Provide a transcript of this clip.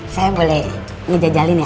saya boleh ngejajalin ya